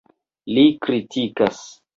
Ri kritikas.